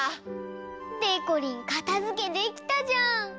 でこりんかたづけできたじゃん！